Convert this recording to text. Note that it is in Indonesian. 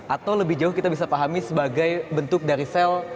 atau lebih jauh kita bisa pahami sebagai bentuk dari sel